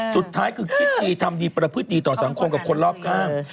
สุดท้ายคือคิดดีทำดีประพฤติดีต่อสังคมกับคนรอบข้าง